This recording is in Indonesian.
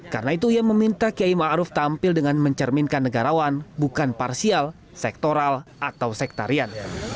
karena itu dia meminta kiai maruf tampil dengan mencerminkan negarawan bukan parsial sektoral atau sektarian